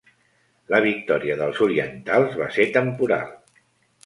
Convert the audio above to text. La victòria dels orientals va ser temporal.